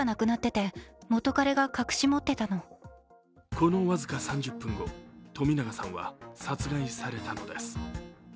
その僅か３０分後、冨永さんは殺害されたのです。